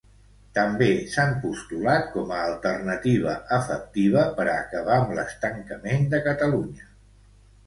També s'han postulat com a alternativa efectiva per a acabar amb l'estancament de Catalunya.